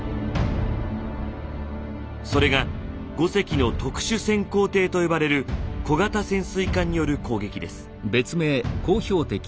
それが５隻の「特殊潜航艇」と呼ばれる小型潜水艦による攻撃です。